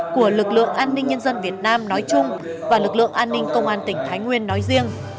của lực lượng an ninh nhân dân việt nam nói chung và lực lượng an ninh công an tỉnh thái nguyên nói riêng